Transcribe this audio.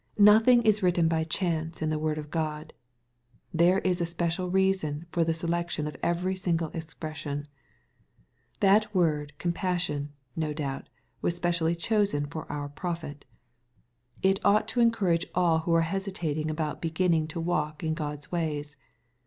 Nothing is written by chance, in the word of Grod. There is a special reason for the se lection of every single expression. That word *^ com passion," no doubt, was specially chosen for our profit. It ought to encourage all who are hesitating about be ginning to walk in God's ways.